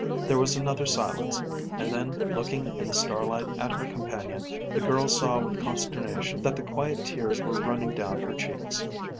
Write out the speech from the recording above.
There was another silence, and then, looking in the starlight at her companion, the girl saw with consternation that the quiet tears were running down her cheeks.